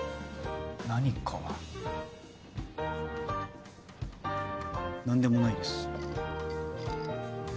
何かは何でもないです